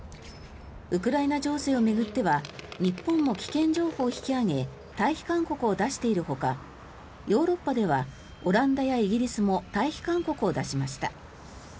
ウクライナ情勢を巡っては日本も危険情報を引き上げ退避勧告を出しているほかヨーロッパではオランダやイギリスも退避勧告を出しました。